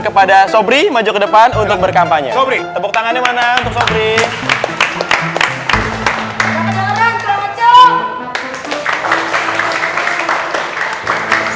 kepada sobri maju ke depan untuk berkampanye tepuk tangannya transliteran drama prize